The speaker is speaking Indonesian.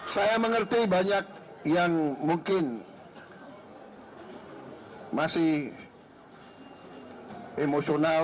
saya mengerti banyak yang mungkin masih emosional